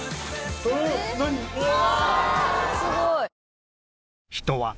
うわ！